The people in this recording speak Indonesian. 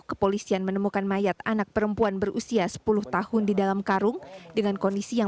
kepolisian menemukan mayat anak perempuan berusia sepuluh tahun di dalam karung dengan kondisi yang